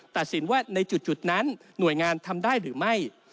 ตัดสินว่าในจุดนั้นหน่วยงานทำได้หรือไม่